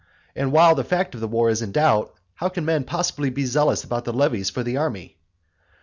And while the fact of the war is in doubt, how can men possibly be zealous about the levies for the army?